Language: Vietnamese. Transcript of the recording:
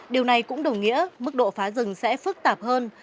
điều này cũng đồng nghĩa mức độ phá rừng sẽ phức tạp hơn